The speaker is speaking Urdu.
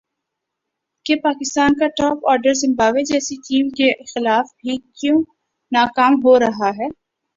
کہ پاکستان کا ٹاپ آرڈر زمبابوے جیسی ٹیم کے خلاف بھی کیوں ناکام ہو رہا ہے